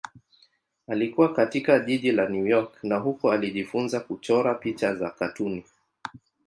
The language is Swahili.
Alikua katika jiji la New York na huko alijifunza kuchora picha za katuni.